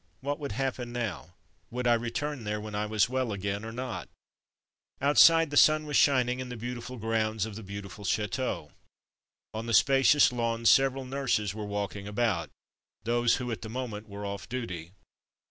What would happen now ? Would I return there when I was well again, or not ? Outside the sun was shining in the beauti ful grounds of the beautiful chateau. On the spacious lawn several nurses were walk ing about — those who at the moment were off duty.